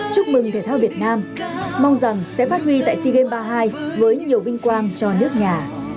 chúc mừng thể thao việt nam mong rằng sẽ phát huy tại sea games ba mươi hai với nhiều vinh quang cho nước nhà